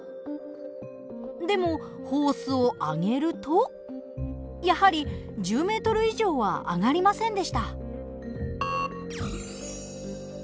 でもホースを上げるとやはり１０ｍ以上は上がりませんでした。